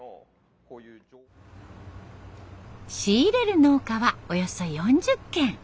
仕入れる農家はおよそ４０軒。